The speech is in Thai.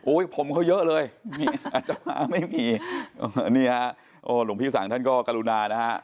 ผมเขาเยอะเลยอาจจะมาไม่มีนี่ฮะโอ้หลวงพี่สังท่านก็กรุณานะฮะ